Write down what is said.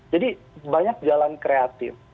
jadi banyak jalan kreatif